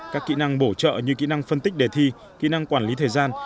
các kỹ năng bổ trợ như kỹ năng phân tích đề thi kỹ năng quản lý thời gian